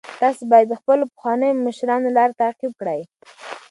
تاسي باید د خپلو پخوانیو مشرانو لار تعقیب کړئ.